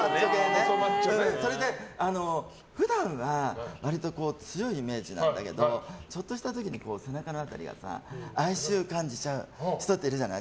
それで、普段は割と強いイメージなんだけどちょっとした時に背中の辺りが哀愁感じちゃう人っているじゃない。